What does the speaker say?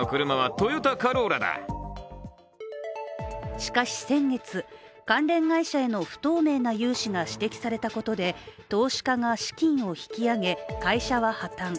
しかし先月、関連会社への不透明な融資が指摘されたことで投資家が資金を引き揚げ、会社は破綻。